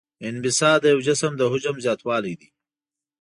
انبساط د یو جسم د حجم زیاتوالی دی.